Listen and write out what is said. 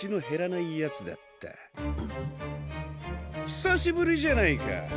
ひさしぶりじゃないか。